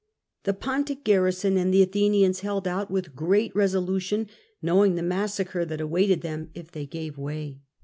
The Pontic garrison and the Athenians held out with great resolution, knowing the massacre that awaited them if they gave way.